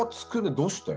どうして？